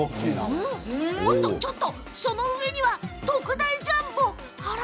おおっと、その上には特大ジャンボ。